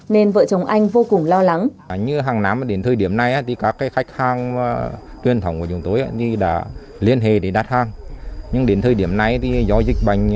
nên vợ chồng anh vô cùng lo lắng